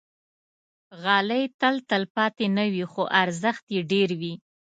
غالۍ تل تلپاتې نه وي، خو ارزښت یې ډېر وي.